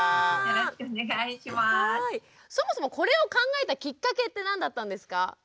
そもそもこれを考えたきっかけって何だったんですか？